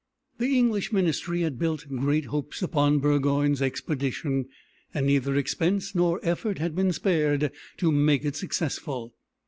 The English ministry had built great hopes upon Burgoyne's expedition, and neither expense nor effort had been spared to make it successful.